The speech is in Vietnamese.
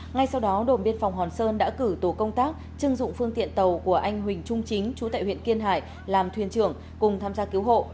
ngay sau đó đồn biên phòng hòn sơn đã cử tổ công tác chưng dụng phương tiện tàu của anh huỳnh trung chính chú tại huyện kiên hải làm thuyền trưởng cùng tham gia cứu hộ